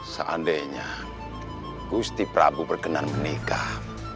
seandainya gusti prabu berkenan menikah